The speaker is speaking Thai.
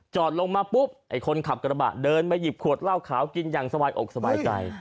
ลงมาปุ๊บไอ้คนขับกระบะเดินมาหยิบขวดเหล้าขาวกินอย่างสบายอกสบายใจ